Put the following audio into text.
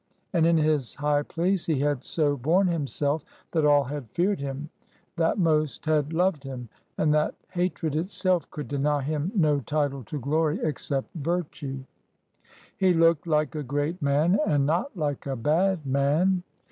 And in his high place he had so borne himself that all had feared him, that most had loved him, and that hatred itself could deny him no title to glory, except virtue. He looked like a great man, and not like a bad man.